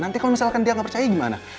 nanti kalo misalkan dia gak percaya gimana